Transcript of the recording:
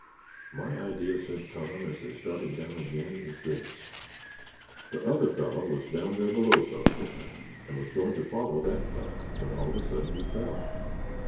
"My idea," said Tom, as they started down again, "is this; the other fellow was down there below somewhere and was going to follow that fellow, when all of a sudden he fell.